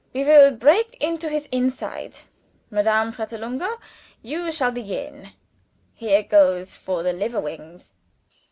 we will break into his inside. Madame Pratolungo, you shall begin. Here goes for the liver wings!"